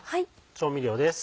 調味料です。